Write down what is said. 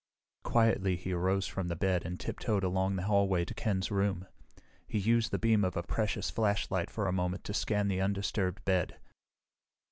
Quietly he arose from the bed and tiptoed along the hallway to Ken's room. He used the beam of a precious flashlight for a moment to scan the undisturbed bed.